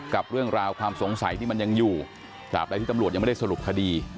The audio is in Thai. กับเรื่องราวความสงสัยที่มันยังอยู่ตราบใดที่ตำรวจยังไม่ได้สรุปคดี